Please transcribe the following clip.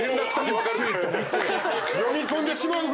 読み込んでしまうぐらい。